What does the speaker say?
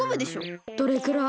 どれくらい？